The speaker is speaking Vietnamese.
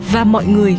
và mọi người